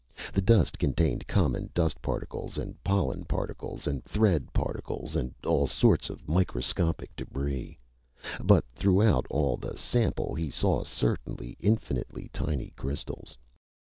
The dust contained common dust particles and pollen particles and thread particles and all sorts of microscopic debris. But throughout all the sample he saw certain infinitely tiny crystals.